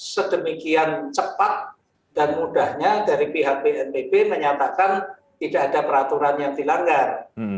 sedemikian cepat dan mudahnya dari pihak bnpb menyatakan tidak ada peraturan yang dilanggar